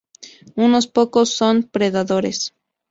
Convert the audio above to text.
Unos pocos son predadores.